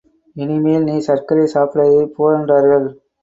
இனிமேல் நீ சர்க்கரை சாப்பிடாதே போ என்றார்கள்.